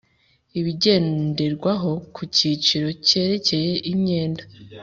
Ibigenderwaho ku cyiciro cyerekeye imyenda